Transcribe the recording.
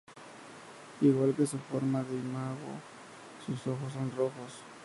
Igual que su forma de imago, sus ojos son rojos.